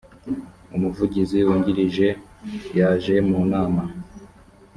umuvugizi wungirije yajemunama.